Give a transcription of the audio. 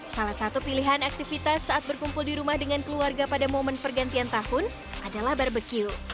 salah satu pilihan aktivitas saat berkumpul di rumah dengan keluarga pada momen pergantian tahun adalah barbecue